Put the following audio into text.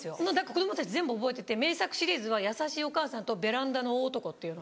子供たち全部覚えてて名作シリーズは「優しいお母さん」と「ベランダの大男」っていう。